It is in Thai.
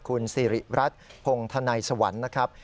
คุณสิริรัตน์พงธนัยสวรรค์นะครับ